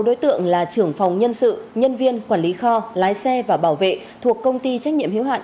một mươi sáu đối tượng là trưởng phòng nhân sự nhân viên quản lý kho lái xe và bảo vệ thuộc công ty trách nhiệm hiếu hạn